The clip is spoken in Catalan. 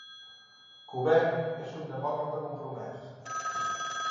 Kubek és un demòcrata compromès.